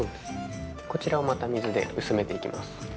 こちらをまた水で薄めていきます。